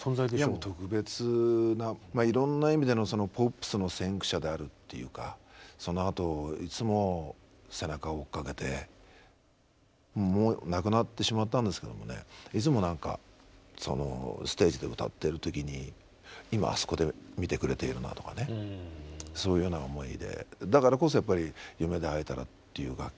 いやもう特別ないろんな意味でのそのポップスの先駆者であるっていうかそのあといつも背中を追っかけてもう亡くなってしまったんですけどもねいつもなんかそのステージで歌っている時に今あそこで見てくれているなとかねそういうような思いで。